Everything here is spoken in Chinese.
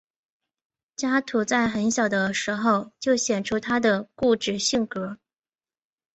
加图在很小的时候就显示出他的固执性格。